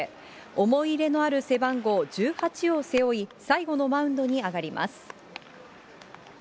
思い入れのある背番号１８を背負い、最後のマウンドに上がります。